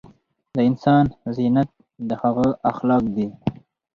دانسان زينت دهغه اخلاق دي